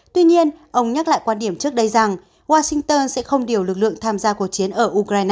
tuy nhiên ông nhắc lại quan điểm trước đây rằng washington sẽ không điều lực lượng tham gia cuộc chiến ở ukraine